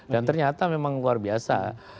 dan ternyata memang luar biasa